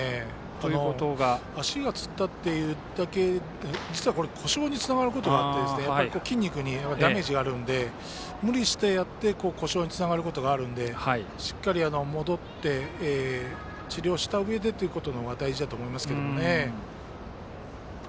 足がつったというだけで実はこれ故障につながることがあって筋肉にダメージがあるので無理してやって故障につながることがあるのでしっかり戻って治療したうえでというのが大事だと思いますけどね。